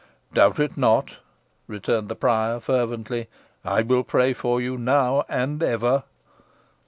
"Doubt it not," returned the prior, fervently. "I will pray for you now and ever."